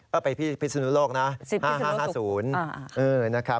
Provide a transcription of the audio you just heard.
เอ้ะไปพิศนุโรคนะ๕๕๕๐